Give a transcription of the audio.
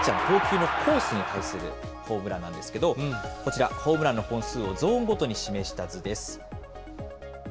相手のピッチャーに投球のコースに関するホームランなんですけれども、こちら、ホームランの本数をゾーンごとに示した図です。